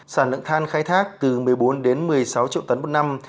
sản lượng than khai thác từ một mươi bốn đến một mươi sáu triệu tấn một năm